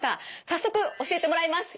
早速教えてもらいます。